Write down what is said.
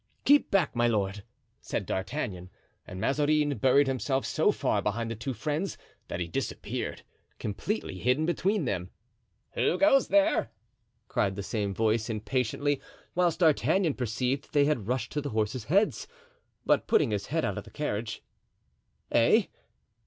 "Keep back, my lord," said D'Artagnan. And Mazarin buried himself so far behind the two friends that he disappeared, completely hidden between them. "Who goes there?" cried the same voice, impatiently whilst D'Artagnan perceived that they had rushed to the horses' heads. But putting his head out of the carriage: "Eh!